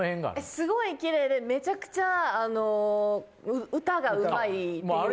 すごいキレイでめちゃくちゃ歌がうまいイメージ。